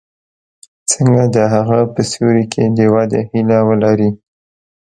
څنګه د هغه په سیوري کې د ودې هیله ولري.